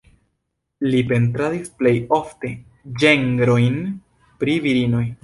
Li pentradis plej ofte ĝenrojn pri virinoj.